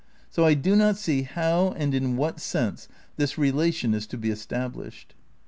So I do not see how and in what sense this relation is to be established.